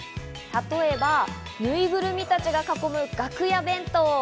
例えば、ぬいぐるみたちが囲む楽屋弁当。